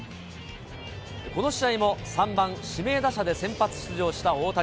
この試合も３番指名打者で先発出場した大谷。